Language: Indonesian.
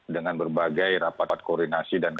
dengan berbagai rapat koordinasi dan